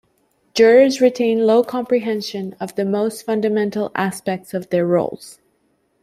Jurors retain low comprehension of the most fundamental aspects of their roles.